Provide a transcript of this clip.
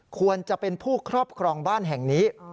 ควรจะเป็นผู้ครอบครองบ้านแห่งนี้